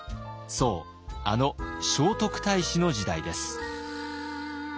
そうあの聖徳太子の時代です。